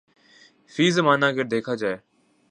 فی زمانہ اگر دیکھا جائے